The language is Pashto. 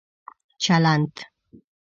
چلند